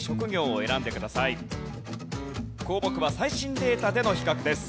項目は最新データでの比較です。